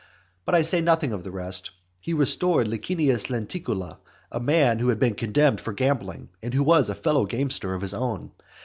But I say nothing of the rest. He restored Licinius Lenticula, a man who had been condemned for gambling, and who was a fellow gamester of his own.